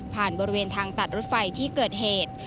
บริเวณทางตัดรถไฟที่เกิดเหตุ